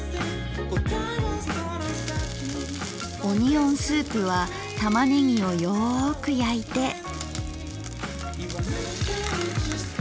オニオンスープはたまねぎをよく焼いて。